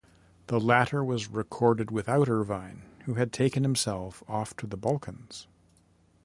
The latter was recorded without Irvine, who had taken himself off to the Balkans.